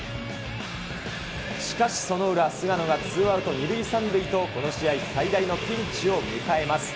しかしその裏、菅野がツーアウト２塁３塁と、この試合最大のピンチを迎えます。